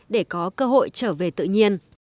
để có cơ hội trở về tự nhiên